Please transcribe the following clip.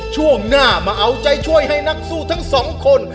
ช่วงหน้ามาเอาใจช่วยให้สั้นทั้ง๒คน